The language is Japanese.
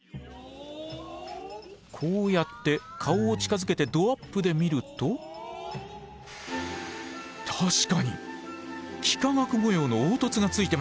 こうやって顔を近づけてどアップで見ると確かに幾何学模様の凹凸がついてます！